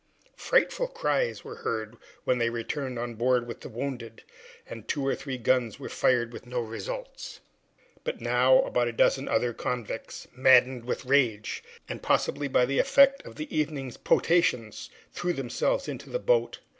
Frightful cries were heard when they returned on board with the wounded, and two or three guns were fired with no results. But now about a dozen other convicts, maddened with rage, and possibly by the effect of the evening's potations, threw themselves into the boat.